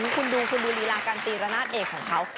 คุณดูคุณดูลีลาการตีระนาดเอกของเขา